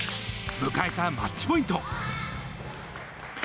迎えたマッチポイント。